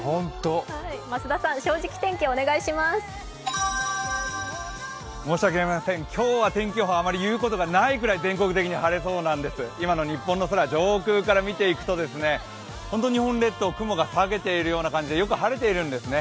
増田さん、「正直天気」お願いします申しわけありません、今日は天気予報、言うことがないくらい今の日本の空、上空から見ていくと本当に日本列島、雲が避けているような感じでよく晴れているんですね。